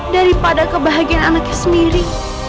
daripada kebahagiaan anaknya sendiri